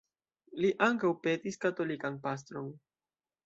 Li ankaŭ petis katolikan pastron.